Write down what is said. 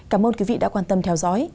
cảm ơn quý vị đã quan tâm theo dõi